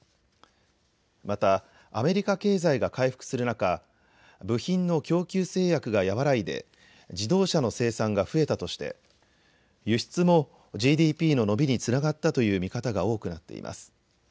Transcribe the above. また、アメリカ経済が回復する中、部品の供給制約が和らいで自動車の生産が増えたとして輸出もＧＤＰの伸びにつながったという見方が多くなっています。